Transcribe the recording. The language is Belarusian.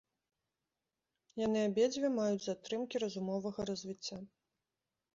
Яны абедзве маюць затрымкі разумовага развіцця.